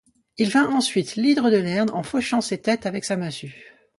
Il vainc ensuite l'hydre de Lerne en fauchant ses têtes avec sa massue.